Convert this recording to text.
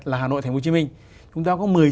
là hà nội tp hcm chúng ta có